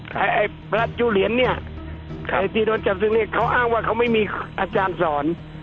ไอ้พระจูเหรียญเนี่ยใครที่โดนจับซึ่งเนี่ยเขาอ้างว่าเขาไม่มีอาจารย์สอน